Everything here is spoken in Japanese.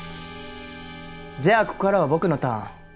じゃあここからは僕のターン。